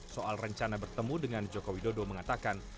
soal rencana bertemu dengan jokowi dodo mengatakan